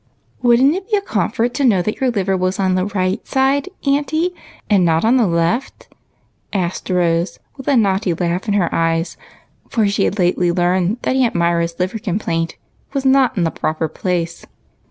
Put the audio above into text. " Would n't it be a comfort to know that your liver was on the right side, auntie, and not on the left?" asked Rose with a naughty laugh in her eyes, for she had lately learned that Aunt Myra's liver complaint was not in the proper place.